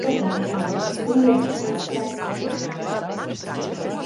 Ierobežojumi, spriedze un stress.